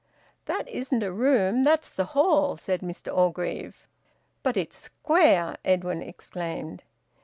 "That isn't a room; that's the hall," said Mr Orgreave. "But it's square!" Edwin exclaimed.